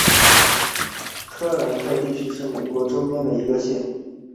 科特兰县是美国纽约州中部偏西的一个县。